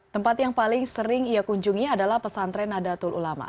tempat yang paling sering ia kunjungi adalah pesantren nadatul ulama